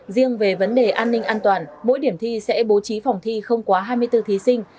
riêng về vấn đề an ninh an toàn mỗi điểm thi sẽ bố trí phòng thi không quá hai mươi bốn thí sinh